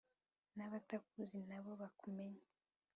n`abatakuzi nabo bakumenye